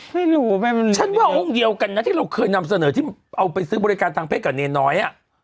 ไม่รู้ฉันว่าห้องเดียวกันนะที่เราเคยนำเสนอที่เอาไปซื้อบริการทางเพศกับเนรน้อยอ่ะ